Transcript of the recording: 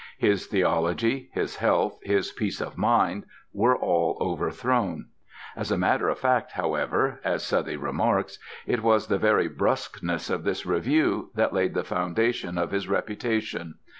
His theology, his health, his peace of mind, were all overthrown. As a matter of fact, however (as Southey remarks), it was the very brusqueness of this review that laid the foundation of his reputation.